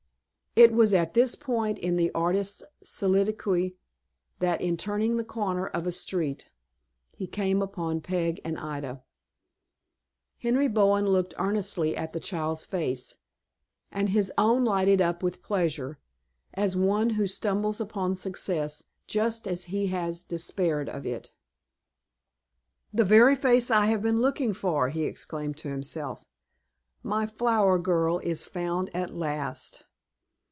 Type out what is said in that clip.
It was at this point in the artist's soliloquy that, in turning the corner of a street, he came upon Peg and Ida. Henry Bowen looked earnestly at the child's face, and his own lighted up with pleasure, as one who stumbles upon success just as he has despaired of it. "The very face I have been looking for!" he exclaimed to himself. "My flower girl is found at last!"